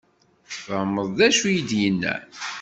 Tfehmeḍ d acu i d-yenna?